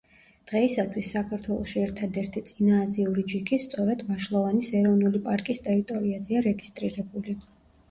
დღეისათვის საქართველოში ერთადერთი წინააზიური ჯიქი სწორედ ვაშლოვანის ეროვნული პარკის ტერიტორიაზეა რეგისტრირებული.